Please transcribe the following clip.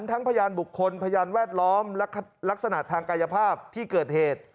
พยานบุคคลพยานแวดล้อมและลักษณะทางกายภาพที่เกิดเหตุ